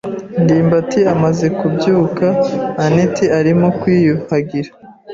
ndimbati amaze kubyuka, anet arimo kwiyuhagira.